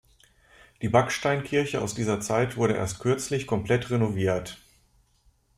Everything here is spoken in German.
Die Backsteinkirche aus dieser Zeit wurde erst kürzlich komplett renoviert.